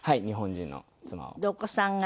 でお子さんが。